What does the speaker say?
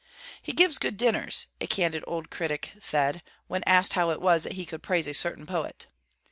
'He gives good dinners,' a candid old critic said, when asked how it was that he could praise a certain poet.